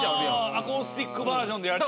アコースティックバージョンでやったり。